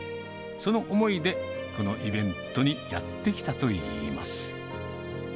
その思いでこのイベントにやって来たといいます。